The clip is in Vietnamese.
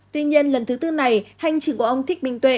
tuy nhiên lần thứ tư này hành trình của ông thích minh tuệ